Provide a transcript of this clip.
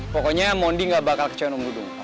pokoknya mondi gak bakal kecayaan om dudung